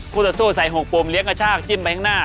คู่สัดสู้ใส่หกปุ่มเลี้ยงกระชากจิ้มไปข้างหน้า